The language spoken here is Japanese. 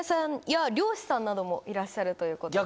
さんなどもいらっしゃるということで。